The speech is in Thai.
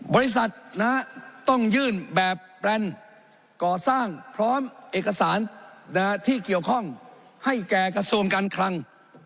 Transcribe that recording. บริษัทต้องยื่นแบบแบรนด์ก่อสร้างพร้อมเอกสารที่เกี่ยวข้องให้แก่กระทรวงการคลัง